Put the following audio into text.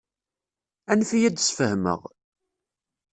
Anef-iyi ad d-sfehmeɣ.